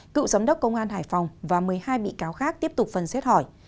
cựu giám đốc công an hải phòng và một mươi hai bị cáo khác tiếp tục phần xét hỏi